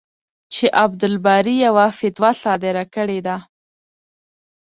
چې عبدالباري یوه فتوا صادره کړې ده.